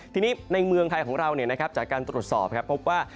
ทีนี้ในเมืองไทยของเราจากการตรวจสอบพบว่า